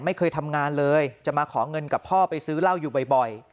ไม่เคยทำงานเลยจะมาขอเงินกับพ่อไปซื้อเหล้าอยู่บ่อย